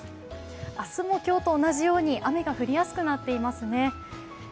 明日も今日と同じように雨が降りやすくなっていますね。